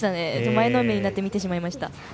前のめりになって見てしまいました。